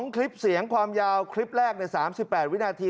คลิปเสียงความยาวคลิปแรกใน๓๘วินาที